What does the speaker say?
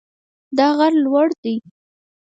دا غر لوړ ده